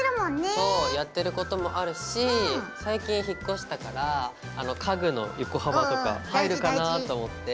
そうやってることもあるし最近引っ越したから家具の横幅とか「入るかな？」と思って。